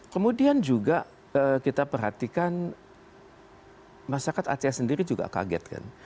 kemudian juga kita perhatikan masyarakat aceh sendiri juga kaget kan